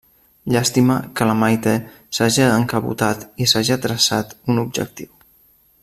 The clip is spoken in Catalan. Llàstima que la Maite s'haja encabotat i s'haja traçat un objectiu.